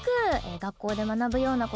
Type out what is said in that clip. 学校で学ぶようなことをね